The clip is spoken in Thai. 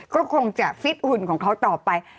ก็คงจะฟิตหุ่นของเขาต่อไป